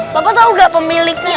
bapak tau gak pemiliknya